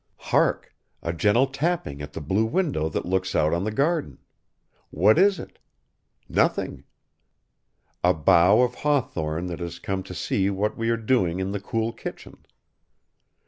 Hark! A gentle tapping at the blue window that looks out on the garden! What is it? Nothing; a bough of hawthorn that has come to see what we are doing in the cool kitchen.